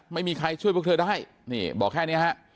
ไม่มีใครช่วยพวกเธอได้นี่บอกแค่นี้ฮะ